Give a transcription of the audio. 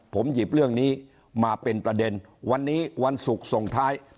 ผมหยิบเรื่องนี้มาเป็นประเด็นวันนี้วันศุกร์ส่งท้าย